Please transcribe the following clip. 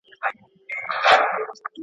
د لاس خط لوستل ځانګړی خوند لري.